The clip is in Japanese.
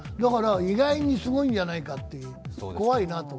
意外にすごいんじゃないか、怖いなと。